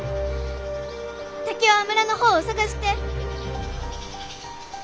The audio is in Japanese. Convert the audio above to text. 竹雄は村の方を捜して！